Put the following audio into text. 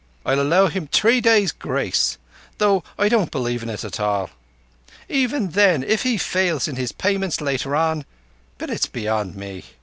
I'll allow him three days' grace, though I don't believe it at all. Even then, if he fails in his payments later on ... but it's beyond me.